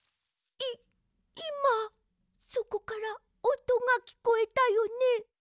いいまそこからおとがきこえたよね？